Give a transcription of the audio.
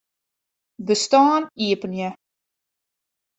Bestân iepenje.